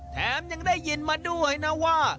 แถมยังได้ยินมาด้วยนะว่า